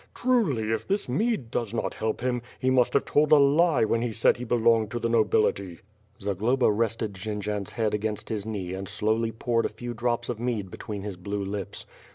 Truly if this mead does not help him, he must have told a lie when he said he l>elonged to the nobility." Zagloba rested Jendzian's head against his knee and slowly pour< d a few drops of mead between his blue lips.